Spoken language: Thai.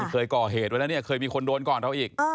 เคยก่อเหตุไว้แล้วเนี่ยเคยมีคนโดนก่อนเราอีก